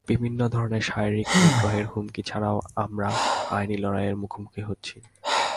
বিভিন্ন ধরনের শারীরিক নিগ্রহের হুমকি ছাড়াও আমরা আইনি লড়াইয়ের মুখোমুখি হচ্ছি।